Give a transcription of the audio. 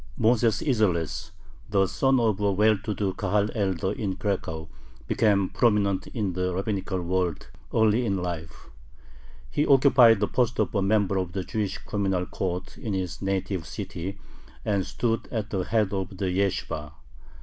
Moses Isserles, the son of a well to do Kahal elder in Cracow, became prominent in the rabbinical world early in life. He occupied the post of a member of the Jewish communal court in his native city, and stood at the head of the yeshibah.